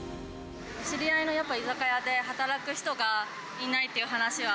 知り合いのやっぱ居酒屋で働く人がいないっていう話は。